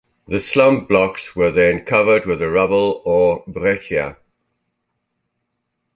The slump blocks were then covered with the rubble or "breccia".